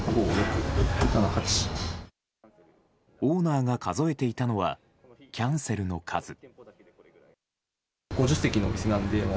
オーナーが数えていたのはキャンセルの数。